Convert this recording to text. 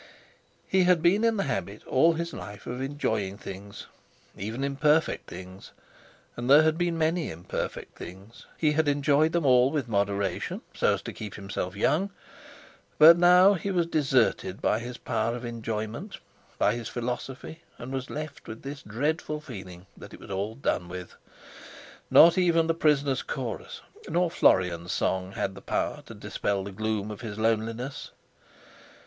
He had been in the habit all his life of enjoying things, even imperfect things—and there had been many imperfect things—he had enjoyed them all with moderation, so as to keep himself young. But now he was deserted by his power of enjoyment, by his philosophy, and left with this dreadful feeling that it was all done with. Not even the Prisoners' Chorus, nor Florian's Song, had the power to dispel the gloom of his loneliness.